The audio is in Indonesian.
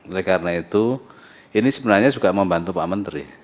oleh karena itu ini sebenarnya juga membantu pak menteri